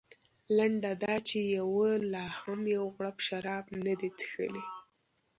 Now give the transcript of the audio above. لنډه دا چې یوه لا هم یو غړپ شراب نه دي څښلي.